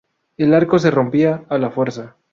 El arco se rompía a la fuerza.